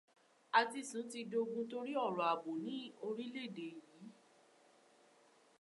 Àtisùn ti dogun torí ọ̀rọ̀ àbò ní orílẹ-èdè yìí.